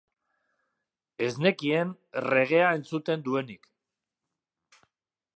Ez nekien reggaea entzuten duenik.